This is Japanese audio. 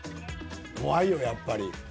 怖いよやっぱり。